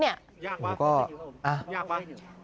ยากไหมยากไหม